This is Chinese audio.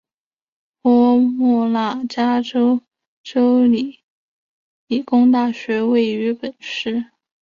波莫纳加州州立理工大学位于本市。